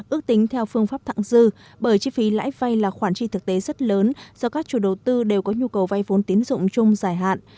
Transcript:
ước tính theo phương pháp thẳng dư bởi chi phí lãi vay là khoản chi thực tế rất lớn do các chủ đầu tư đều có nhu cầu vay vốn tiến dụng chung giải hạn